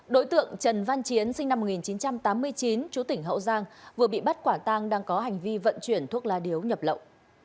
đối tượng trần văn chiến sinh năm một nghìn chín trăm tám mươi chín chú tỉnh hậu giang vừa bị bắt quả tang đang có hành vi vận chuyển thuốc lá điếu nhập lậu